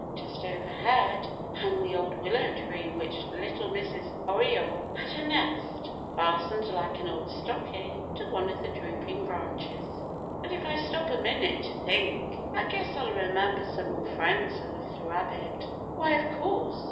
Just overhead hung the old willow tree in which little Mrs. Oriole had her nest, fastened like an old stocking to one of the drooping branches. And if I stop a minute to think, I guess I'll remember some more friends of the little rabbit. Why, of course.